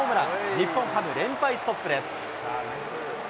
日本ハム、連敗ストップです。